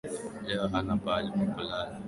Leo hana pahali pa kulala